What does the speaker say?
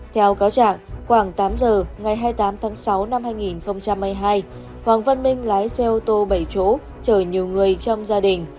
theo cáo trạng khoảng tám giờ ngày hai mươi tám tháng sáu năm hai nghìn hai mươi hai hoàng văn minh lái xe ô tô bảy chỗ chở nhiều người trong gia đình